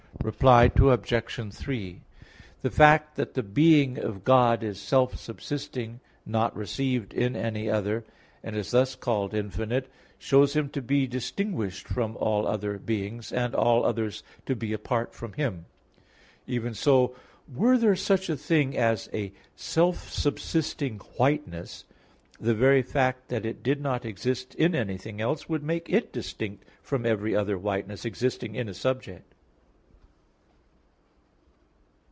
Reply Obj. 3: The fact that the being of God is self subsisting, not received in any other, and is thus called infinite, shows Him to be distinguished from all other beings, and all others to be apart from Him. Even so, were there such a thing as a self subsisting whiteness, the very fact that it did not exist in anything else, would make it distinct from every other whiteness existing in a subject.